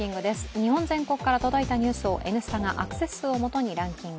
日本全国から届いたニュースを「Ｎスタ」がアクセス数を基にランキング。